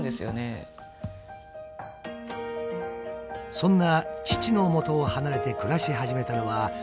そんな父のもとを離れて暮らし始めたのは１８歳のとき。